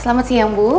selamat siang bu